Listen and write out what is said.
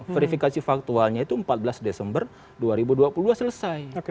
verifikasi faktualnya itu empat belas desember dua ribu dua puluh dua selesai